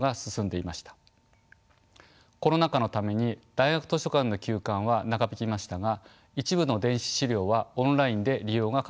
コロナ禍のために大学図書館の休館は長引きましたが一部の電子資料はオンラインで利用が可能でした。